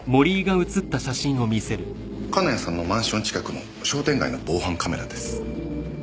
金谷さんのマンション近くの商店街の防犯カメラです。